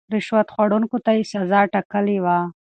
رشوت خوړونکو ته يې سزا ټاکلې وه.